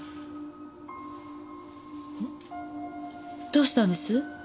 どうしたんです？